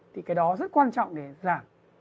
thì cái đó rất quan trọng để giảm